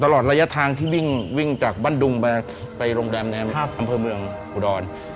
ตลอดระยะทางที่วิ่งวิ่งจากบ้านดุงมาไปโรงแรมแนมน้ำเผื้อเมืองหอดอน